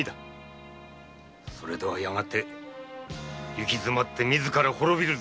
それではやがて行き詰まり自ら滅びるぞ。